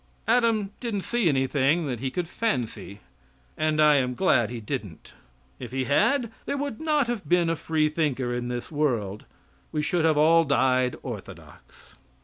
Adam didn't see anything that he could fancy. And I am glad he didn't. If he had, there would not have been a free thinker in this world; we should have all died orthodox.